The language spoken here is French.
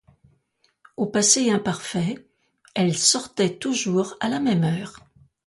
Au passé imparfait: Elles sortaient toujours à la même heure.